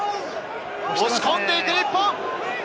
押し込んでいく日本！